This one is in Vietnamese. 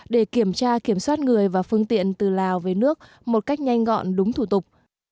để kiểm tra kiểm soát người và phương tiện từ lào về nước một cách nhanh gọn đúng thủ tục